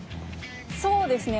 そうですね。